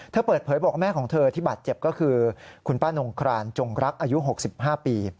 เปิดเผยบอกว่าแม่ของเธอที่บาดเจ็บก็คือคุณป้านงครานจงรักอายุ๖๕ปี